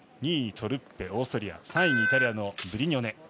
２位にトルッペ、オーストリア３位にイタリアのブリニョネ。